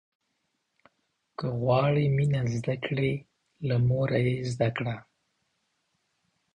که غواړې مينه زده کړې، له موره يې زده کړه.